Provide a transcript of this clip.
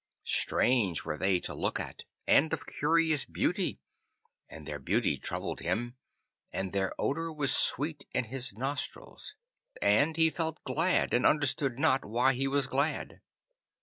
Strange were they to look at, and of curious beauty, and their beauty troubled him, and their odour was sweet in his nostrils. And he felt glad, and understood not why he was glad.